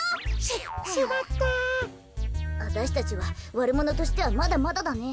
わたしたちはわるものとしてはまだまだだね。